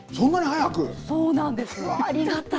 そうなんです。